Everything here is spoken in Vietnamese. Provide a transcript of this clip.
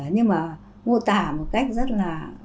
ngô tả một cách rất là